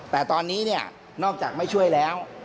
แต่ตอนนี้เนี่ยนอกจากไม่ช่วยแล้ว